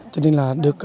cho nên là được